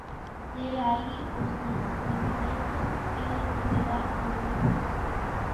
De aí os despedimentos, queren dobregar o equipo.